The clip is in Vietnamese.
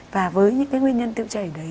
và với những cái nguyên nhân tiêu chảy đấy